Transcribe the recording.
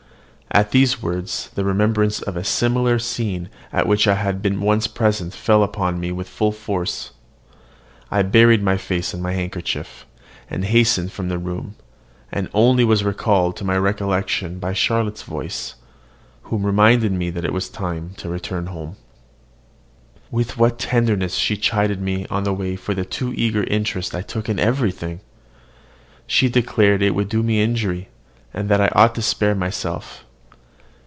At these words the remembrance of a similar scene at which I had been once present fell with full force upon my heart. I buried my face in my handkerchief, and hastened from the room, and was only recalled to my recollection by Charlotte's voice, who reminded me that it was time to return home. With what tenderness she chid me on the way for the too eager interest I took in everything! She declared it would do me injury, and that I ought to spare myself.